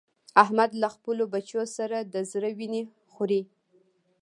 احمد له خپلو بچو سره د زړه وينې وخوړې.